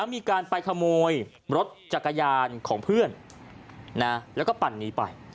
มีการไปขโมยรถจักรยานของเพื่อนแล้วก็ปั่นนี้ไป